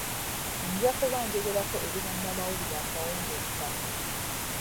Nja kuba njoegerako eri bannamawulire akawungenzi kano.